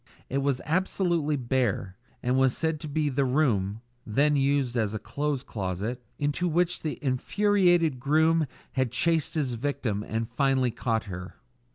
It was absolutely bare, and was said to be the room then used as a clothes closet into which the infuriated groom had chased his victim and finally caught her.